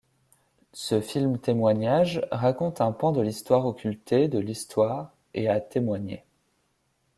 Ce film-témoignage raconte un pan de l'histoire occultée de l'Histoire et à témoigner.